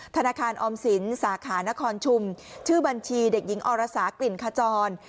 ธนาคารออมสินสาขานครชุมชื่อบัญชีเด็กหญิงอรสากลิ่นขจร